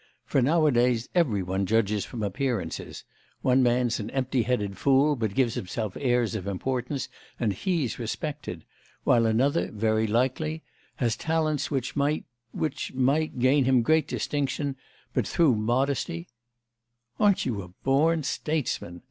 For nowadays every one judges from appearances; one man's an empty headed fool, but gives himself airs of importance, and he's respected; while another, very likely, has talents which might which might gain him great distinction, but through modesty ' 'Aren't you a born statesman?